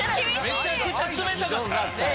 めちゃくちゃ冷たかった。